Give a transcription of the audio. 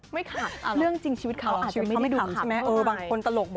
ไม่คำเรื่องจริงชีวิตเค้าอาจจะไม่ได้ถูกคำ